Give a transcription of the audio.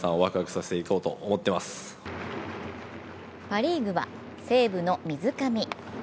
パ・リーグは西武の水上。